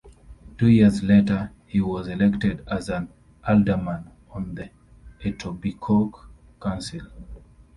Two years later, he was elected as an alderman on the Etobicoke council.